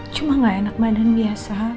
cuma gak enak mainan biasa